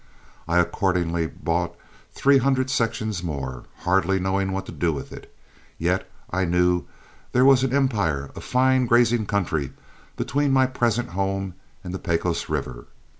I accordingly bought three hundred sections more, hardly knowing what to do with it, yet I knew there was an empire of fine grazing country between my present home and the Pecos River.